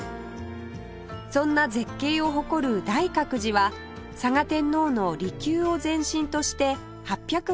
そんな絶景を誇る大覚寺は嵯峨天皇の離宮を前身として８７６年に創建